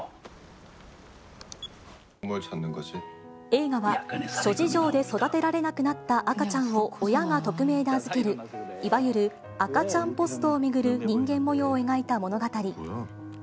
映画は諸事情で育てられなくなった赤ちゃんを親が匿名で預ける、いわゆる赤ちゃんポストを巡る人間もようを描いた物語。